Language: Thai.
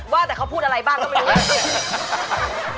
ว่าแต่เขาพูดอะไรบ้างก็ไม่รู้